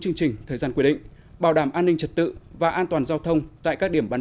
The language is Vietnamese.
chương trình thời gian quy định bảo đảm an ninh trật tự và an toàn giao thông tại các điểm bán